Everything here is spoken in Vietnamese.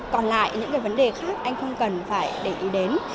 còn lại những cái vấn đề khác anh không cần phải để ý đến